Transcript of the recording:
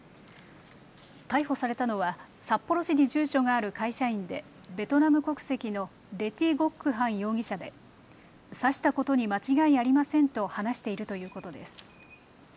逮捕されたのは札幌市に住所がある会社員でベトナム国籍のレ・ティ・ゴック・ハン容疑者で刺したことに間違いありませんと話しているということです。